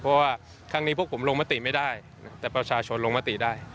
เพราะว่าครั้งนี้พวกผมลงมติไม่ได้แต่ประชาชนลงมติได้